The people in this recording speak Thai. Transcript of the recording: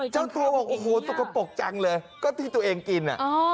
เจ้าตัวบอกโอ้โหสกปรกจังเลยก็ที่ตัวเองกิน